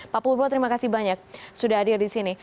pak purwo terima kasih banyak sudah hadir di sini